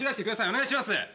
お願いします